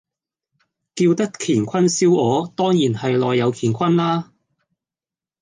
叫得乾坤燒鵝，當然係內有乾坤啦